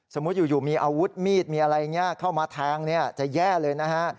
สมมุติอยู่มีอาวุธมีดมีอะไรอย่างนี้เข้ามาแทงจะแย่เลยนะฮะ